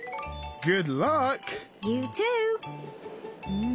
うん。